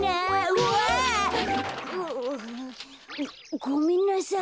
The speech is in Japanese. うわ。ごめんなさい。